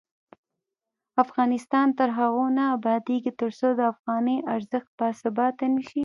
افغانستان تر هغو نه ابادیږي، ترڅو د افغانۍ ارزښت باثباته نشي.